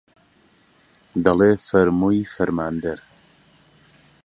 دەڵێ فەرمووی فەرماندەر